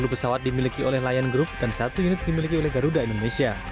sepuluh pesawat dimiliki oleh lion group dan satu unit dimiliki oleh garuda indonesia